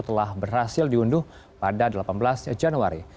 telah berhasil diunduh pada delapan belas januari